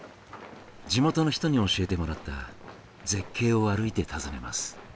地元の人に教えてもらった絶景を歩いて訪ねます。